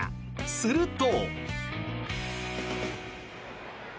すると。